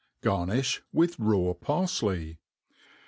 Garniih with raw parfley.